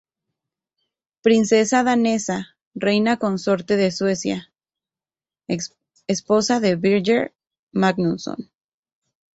Princesa danesa, reina consorte de Suecia, esposa de Birger Magnusson.